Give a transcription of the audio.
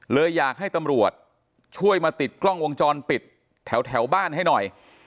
เลยอยากให้ตำรวจช่วยมาติดกล้องวงจรปิดแถวบ้านให้หน่อย